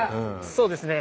そうですね。